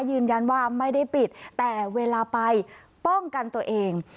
ยืนยันว่าไม่ได้ปิดแต่เวลาไปป้องกันตัวเอง